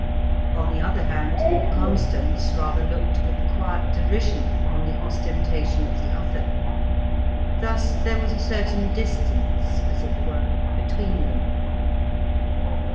On the other hand, Constans rather looked with quiet derision on the ostentation of the other. Thus there was a certain distance, as it were, between them.